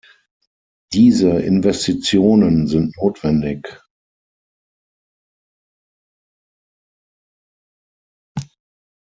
Diese Investitionen sind notwendig.